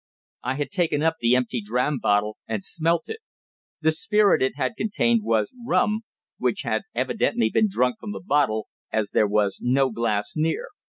I had taken up the empty dram bottle and smelt it. The spirit it had contained was rum which had evidently been drunk from the bottle, as there was no glass near.